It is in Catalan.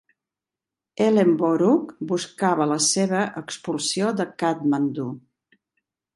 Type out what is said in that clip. Ellenborough buscava la seva expulsió de Kàtmandu.